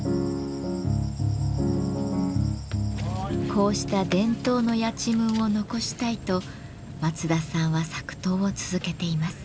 こうした伝統のやちむんを残したいと松田さんは作陶を続けています。